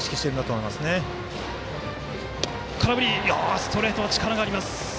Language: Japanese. ストレートには力があります。